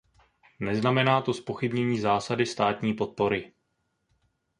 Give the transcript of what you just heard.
Neznamená to zpochybnění zásady státní podpory.